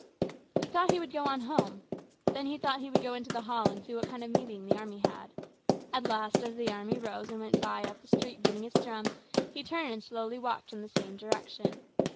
He thought he would go on home. Then he thought he would go into the hall and see what kind of a meeting the army had. At last, as the army rose and went by up the street beating its drum, he turned slowly and walked in the same direction.